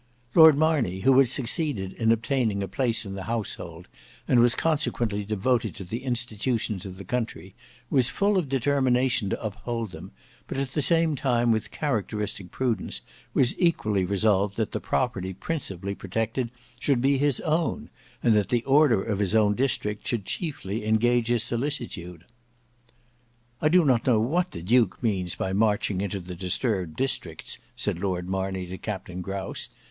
Lord Marney who had succeeded in obtaining a place in the Household and was consequently devoted to the institutions of the country, was full of determination to uphold them; but at the same time with characteristic prudence was equally resolved that the property principally protected should be his own, and that the order of his own district should chiefly engage his solicitude. "I do not know what the Duke means by marching into the disturbed districts," said Lord Marney to Captain Grouse.